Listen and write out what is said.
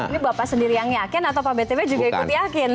ini bapak sendiri yang yakin atau pak btb juga ikut yakin